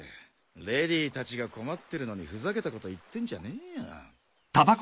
レディーたちが困ってるのにふざけたこと言ってんじゃねえよ。